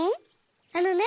あのね